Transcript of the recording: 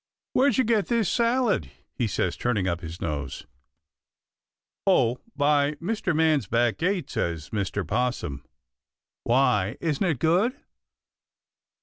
"Where'd you get this salad?" he says, turning up his nose. "Out by Mr. Man's back gate," says Mr. 'Possum. "Why, isn't it good?"